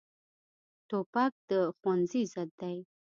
توپک د ښوونځي ضد دی.